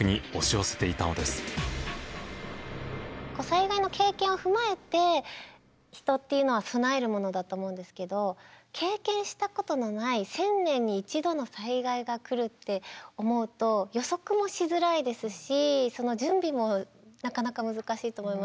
災害の経験を踏まえて人っていうのは備えるものだと思うんですけど経験したことのない１０００年に１度の災害が来るって思うと予測もしづらいですしその準備もなかなか難しいと思いますし。